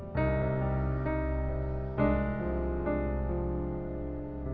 malin jangan lupa